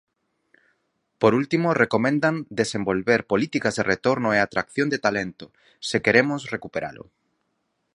Por último recomendan desenvolver políticas de retorno e atracción de talento "se queremos recuperalo".